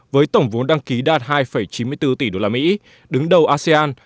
với tổng vốn đăng ký đạt hai chín mươi bốn tỷ usd đứng đầu asean